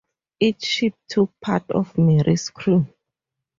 Each ship took part of "Mary"s crew.